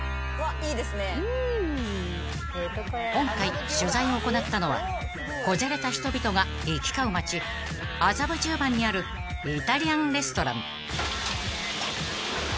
［今回取材を行ったのは小じゃれた人々が行き交う街麻布十番にあるイタリアンレストラン］